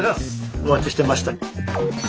お待ちしてました。